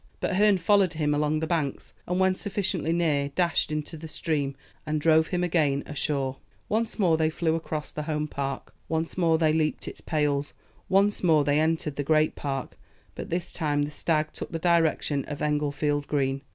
But Herne followed him along the banks, and when sufficiently near, dashed into the stream, and drove him again ashore. Once more they flew across the home park once more they leaped its pales once more they entered the great park but this time the stag took the direction of Englefield Green.